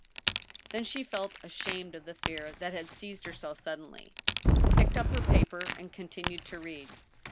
Then she felt ashamed of the fear that had seized her so sudden ly, picked up her paper and continued to read.